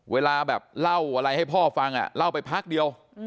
เวลาแบบเล่าอะไรให้พ่อฟังเล่าไปพักเดียว